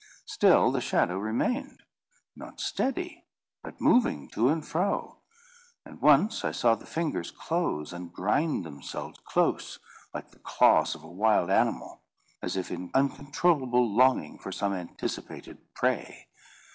Still the shadow remained; not steady, but moving to and fro, and once I saw the fingers close, and grind themselves close, like the claws of a wild animal, as if in uncontrollable longing for some anticipated prey.